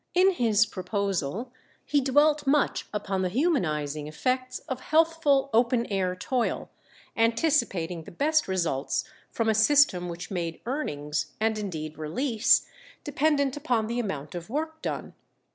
In his proposal he dwelt much upon the humanizing effects of healthful open air toil, anticipating the best results from a system which made earnings, and indeed release, dependent upon the amount of work done.